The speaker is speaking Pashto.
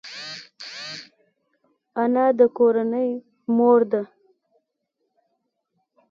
انا د کورنۍ مور ده